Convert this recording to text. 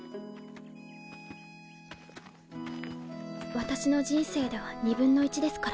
私の人生では２分の１ですから。